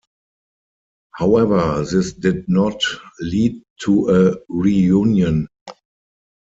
However, this did not lead to a reunion.